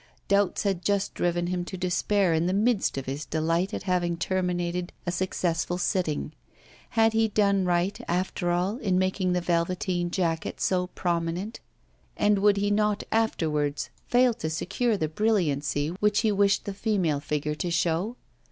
Doubts had just driven him to despair in the midst of his delight at having terminated a successful sitting. Had he done right, after all, in making the velveteen jacket so prominent, and would he not afterwards fail to secure the brilliancy which he wished the female figure to show?